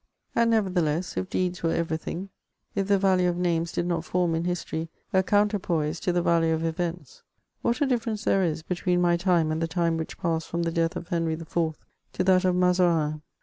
And, nevertneless, if deeds were everything, if the value of names did not form in history a counterpoise to the value of events, what a difference there is between my time and the time which passed from the death of Henry IV. to that of Mazarin!